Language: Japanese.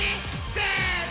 せの！